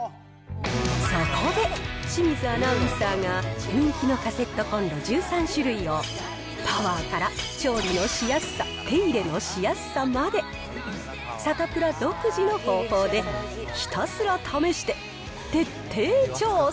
そこで、清水アナウンサーが人気のカセットコンロ１３種類を、パワーから調理のしやすさ、手入れのしやすさまで、サタプラ独自の方法で、ひたすら試して徹底調査。